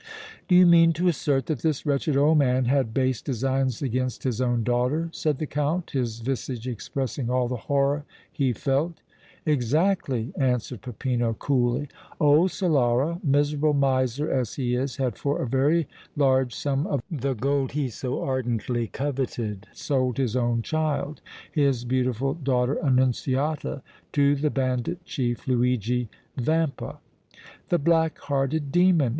"Do you mean to assert that this wretched old man had base designs against his own daughter?" said the Count, his visage expressing all the horror he felt. "Exactly," answered Peppino, coolly. "Old Solara, miserable miser as he is, had for a very large sum of the gold he so ardently coveted sold his own child, his beautiful daughter Annunziata, to the bandit chief Luigi Vampa!" "The black hearted demon!"